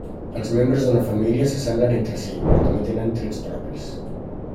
Els membres d'una família s'assemblen entre si, però també tenen trets propis.